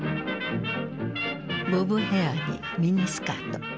ボブヘアにミニスカート。